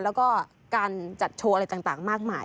แล้วก็การจัดโชว์อะไรต่างมากมาย